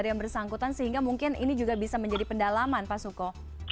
yang bersangkutan sehingga mungkin ini juga bisa menjadi pendalaman pak suko